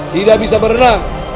tidak bisa berenang